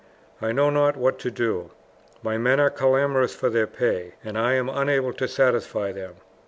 I know not what to do; my men are clamorous for their pay, and I am unable to satisfy them.